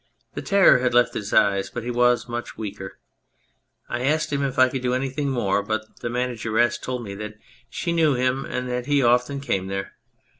The terror had left his eyes, but he was much weaker. I asked him if I could do anything more, but the manageress told me that she knew him and that he often came there.